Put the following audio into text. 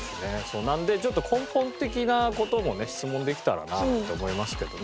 なのでちょっと根本的な事もね質問できたらなって思いますけどね。